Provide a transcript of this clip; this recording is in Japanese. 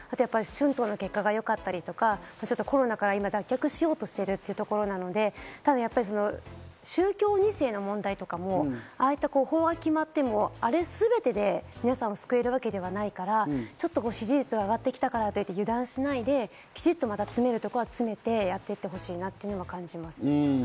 選挙の結果がよかったり、コロナから脱却しようとしているっていうところなので、宗教２世の問題とかも法案が決まっても、あれ全てで皆さんを救えるわけではないから、ちょっと支持率が上がってきたからといって油断しないで、きちっと詰めるところは詰めて、やっていってほしいなと感じます。